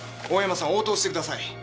大山さん応答してください。